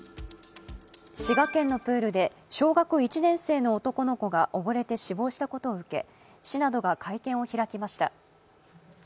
滋賀県のプールで小学１年生の男の子が溺れて死亡したことを受け市などが会見を開きました。